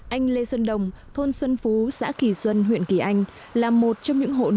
anh lê xuân đồng thôn xuân phú xã kỳ xuân huyện kỳ anh là một trong những hộ nông dân